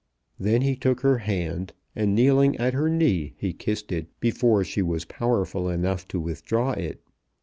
Then he took her hand, and kneeling at her knee, he kissed it before she was powerful enough to withdraw it.